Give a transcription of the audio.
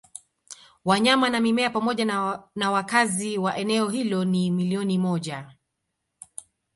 wanyama na mimea pamoja nawakazi wa eneo hilo ni milioni moja